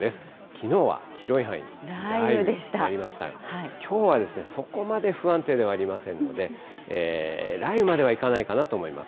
きのうは広い範囲雷雨になりましたが、きょうはですね、そこまで不安定ではありませんので、雷雨まではいかないかなと思います。